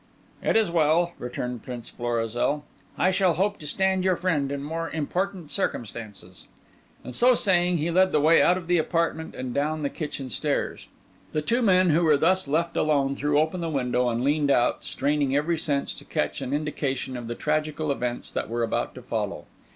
"It is well," returned Prince Florizel; "I shall hope to stand your friend in more important circumstances." And so saying he led the way out of the apartment and down the kitchen stairs. The two men who were thus left alone threw open the window and leaned out, straining every sense to catch an indication of the tragical events that were about to follow.